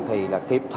thì là kiệp thẩm